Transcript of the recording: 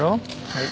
はい。